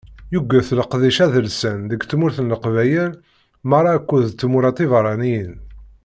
Yuget leqdic adelsan deg tmurt n leqbayel merra akked tmura tiberraniyin.